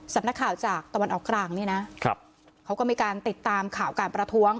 สำนักข่าวจากตะวันออกกลางนี่นะครับเขาก็มีการติดตามข่าวการประท้วง